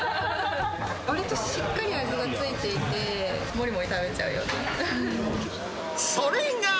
わりとしっかり味がついていて、それが。